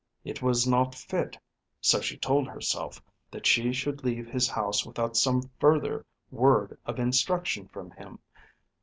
It was not fit, so she told herself, that she should leave his house without some further word of instruction from him.